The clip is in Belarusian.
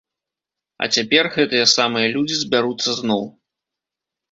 А цяпер гэтыя самыя людзі збяруцца зноў.